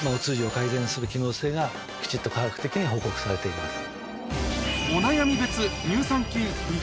する機能性がきちんと科学的に報告されています。